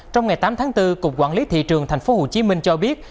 trong ngày tám tháng bốn cục quản lý thị trường tp hcm cho biết